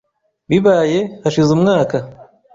Bibaye hashize umwaka .